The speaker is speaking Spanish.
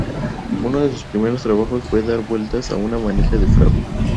Uno de sus primeros trabajos fue dar vueltas a una manija de fragua.